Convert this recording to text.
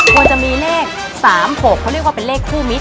ควรจะมีเลข๓๖เขาเรียกว่าเป็นเลขคู่มิตร